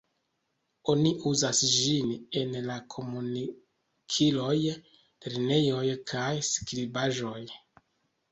Oni uzas ĝin en la komunikiloj, lernejoj kaj skribaĵoj.